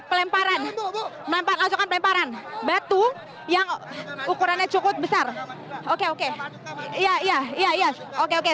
pelemparan melempar langsungkan pelemparan batu yang ukurannya cukup besar oke oke iya iya iya oke oke